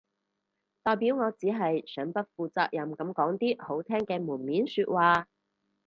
代表我只係想不負責任噉講啲好聽嘅門面說話